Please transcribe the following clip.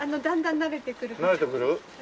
慣れてくる？